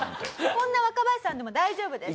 こんな若林さんでも大丈夫です。